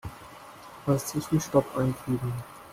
Als Zwischenstopp einfügen.